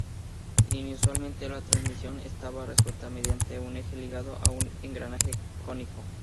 Inusualmente, la transmisión estaba resuelta mediante un eje ligado a un engranaje cónico.